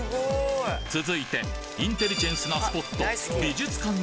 続いてインテリジェンスなスポット